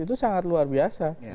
itu sangat luar biasa